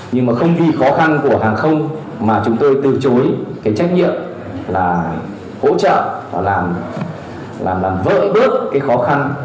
nhưng không vì khó khăn của hàng không mà chúng tôi từ chối trách nhiệm là hỗ trợ và làm vỡ bớt khó khăn